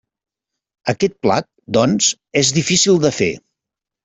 Aquest plat, doncs, és difícil de fer.